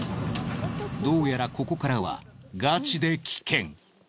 どうやらここからはガチで危険。